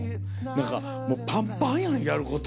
何かもうパンパンやんやること。